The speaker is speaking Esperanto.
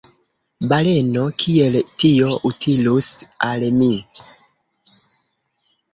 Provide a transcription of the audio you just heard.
Baleno: "Kiel tio utilus al mi?"